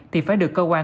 thì phải được cơ quan